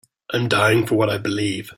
I'm dying for what I believe.